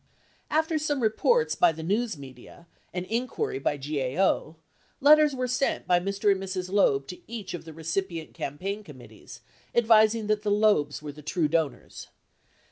After some reports by the news media and inquiry by GAO, letters were sent by Mr. and Mrs. Loeb to each of the recipient campaign committees advising that the Loebs were the true donors.